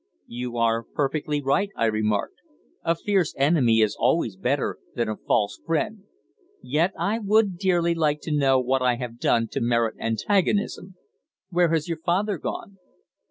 "You are perfectly right," I remarked. "A fierce enemy is always better than a false friend. Yet I would dearly like to know what I have done to merit antagonism. Where has your father gone?"